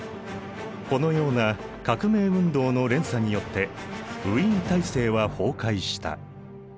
このような革命運動の連鎖によってウィーン体制は崩壊した。